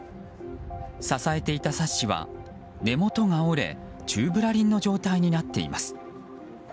支えていたサッシは根元が折れ宙ぶらりんの状態になっています。